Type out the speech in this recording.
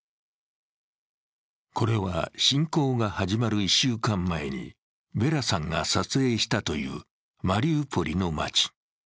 これは侵攻が始まる１週間前にヴェラさんが撮影したというマリウポリの街。